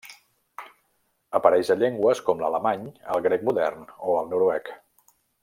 Apareix a llengües com l'alemany, el grec modern o el noruec.